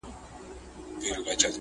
زندان سو انسانانو ته دنیا په کرنتین کي!